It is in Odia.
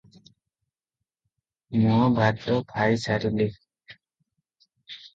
ମୁ ଭାତ ଖାଇସାରିଲି